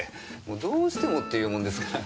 もうどうしてもって言うもんですから。